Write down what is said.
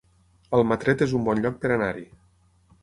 Almatret es un bon lloc per anar-hi